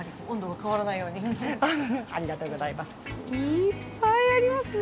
いっぱいありますね。